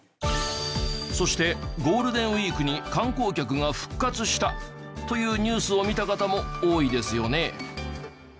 そしてゴールデンウィークに観光客が復活したというニュースを見た方も多いですよね。